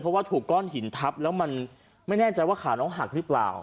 เพราะว่าถูกก้อนหินทับแล้วมันไม่แน่ใจว่าขาน้องหักหรือเปล่า